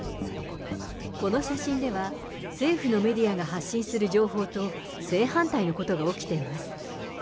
この写真では、政府のメディアが発信する情報と正反対のことが起きています。